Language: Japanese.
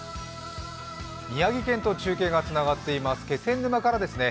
宮城県と中継がつながっています、気仙沼からですね。